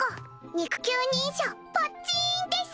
肉球認証ポッチーンです！